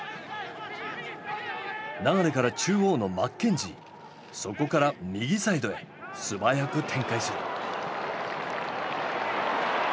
流から中央のマッケンジーそこから右サイドへ素早く展開する。